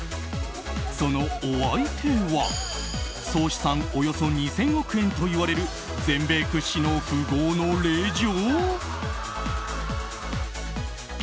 そのお相手は、総資産およそ２０００億円といわれる全米屈指の富豪の令嬢？